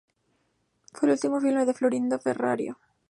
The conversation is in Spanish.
Fue el último filme de Florindo Ferrario.